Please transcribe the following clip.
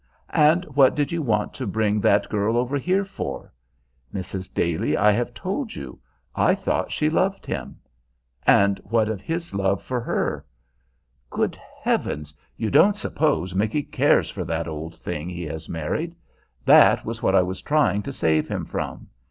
"And what did you want to bring that girl over here for?" "Mrs. Daly, I have told you, I thought she loved him." "And what of his love for her?" "Good heavens! you don't suppose Micky cares for that old thing he has married! That was what I was trying to save him from.